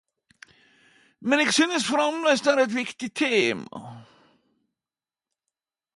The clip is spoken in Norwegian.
Men eg synest framleis det er eit viktig tema.